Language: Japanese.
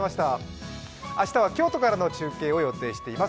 明日は京都からの中継を予定しています。